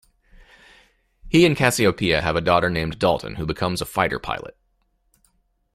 He and Cassiopeia have a daughter named Dalton, who becomes a fighter pilot.